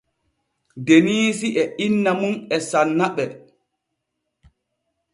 Deniisi e inna mum e sanna ɓe.